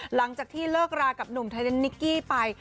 หลังจากที่เลิกรากับหนุ่มไทยเดนนิกกี้ไป